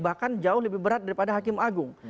bahkan jauh lebih berat daripada hakim agung